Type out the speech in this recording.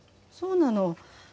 そうなの。